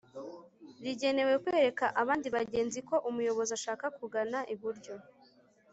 rigenewe kwereka abandi bagenzi ko umuyobozi ashaka kugana iburyo